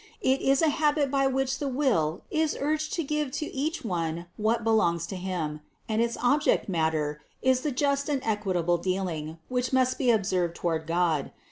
It is a habit by which the will is urged to give to each one what belongs to him, and its object matter is the just and equitable dealing, which must be observed toward God.